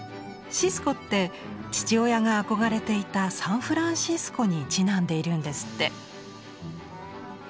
シスコって父親が憧れていたサンフランシスコにちなんでいるんですって。